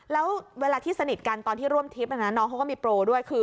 แล้วเวลาที่สนิทกันตอนที่ร่วมทริปน้องเขาก็มีโปรด้วยคือ